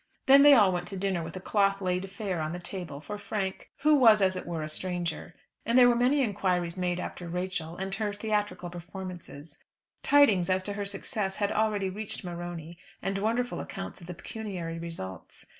Then they all went to dinner with a cloth laid fair on the table, for Frank, who was as it were a stranger. And there were many inquiries made after Rachel and her theatrical performances. Tidings as to her success had already reached Morony, and wonderful accounts of the pecuniary results.